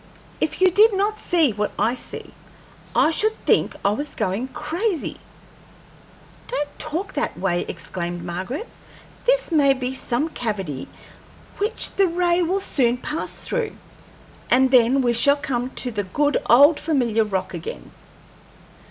If you did not see what I see, I should think I was going crazy." "Don't talk that way," exclaimed Margaret. "This may be some cavity which the ray will soon pass through, and then we shall come to the good old familiar rock again."